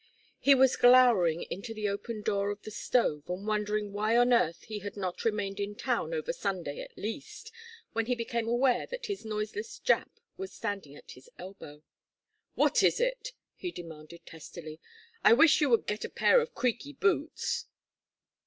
III He was glowering into the open door of the stove and wondering why on earth he had not remained in town over Sunday at least, when he became aware that his noiseless Jap was standing at his elbow. "What is it?" he demanded, testily. "I wish you would get a pair of creaky boots."